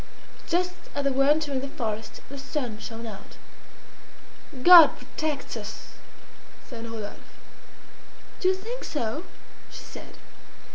Just as they were entering the forest the sun shone out. "God protects us!" said Rodolphe. "Do you think so?" she said.